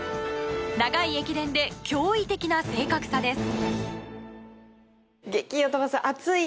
長い駅伝で驚異的な正確さです。